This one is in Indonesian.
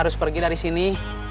aku takut lagi dari sini